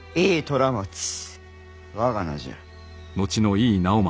我が名じゃ。